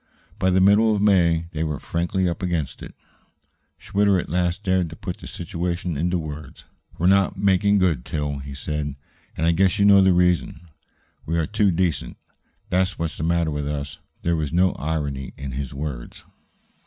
By the middle of May they were frankly up against it. Schwitter at last dared to put the situation into words. "We're not making good, Til," he said. "And I guess you know the reason. We are too decent; that's what's the matter with us." There was no irony in his words.